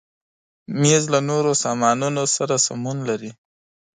مېز له نورو سامانونو سره سمون لري.